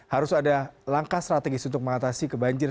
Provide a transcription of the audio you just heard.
harus ada langkah strategis untuk mengatasi kebanjiran